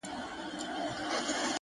o سم ليونى سوم،